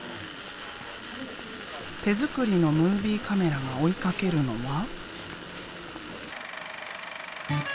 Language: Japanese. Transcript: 手作りのムービーカメラが追いかけるのは。